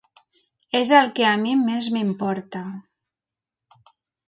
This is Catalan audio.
És el què a mi més m'importa.